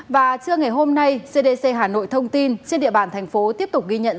và trưa ngày hôm nay cdc hà nội thông tin trên địa bàn thành phố tiếp tục ghi nhận